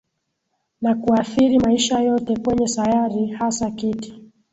na kuathiri maisha yote kwenye sayari Hasa kiti